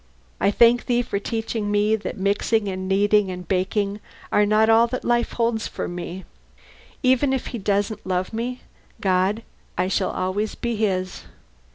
I thank Thee for teaching me that mixing, and kneading, and baking are not all that life holds for me. Even if he doesn't love me, God, I shall always be his.